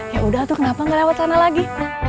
ya udah atu kenapa gak lewat sana lagi